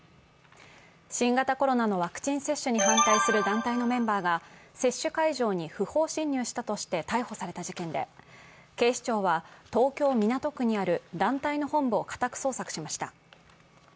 新型コロナのワクチン接種に反対する団体のメンバーが接種会場に不法侵入したとして逮捕された事件で警視庁は東京・港区にある団体の本部を家宅捜索しました。